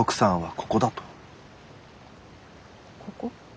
「ここ」？